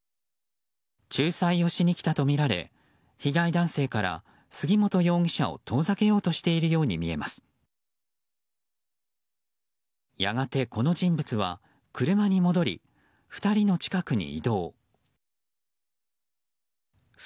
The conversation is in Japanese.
仲裁をしに来たとみられ被害男性から杉本容疑者を遠ざけようとしているように見えます。